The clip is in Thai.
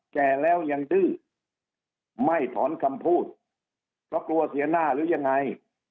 แก่แล้วยังดื้อไม่ถอนคำพูดเพราะกลัวเสียหน้าหรือยังไง